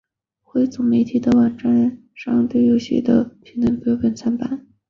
汇总媒体的网址上对游戏的评论褒贬参半。